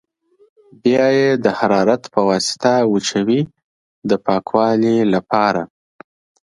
بیا یې د حرارت په واسطه وچوي د پاکوالي لپاره.